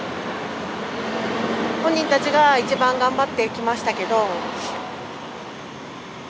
本人たちが一番頑張ってきましたけど。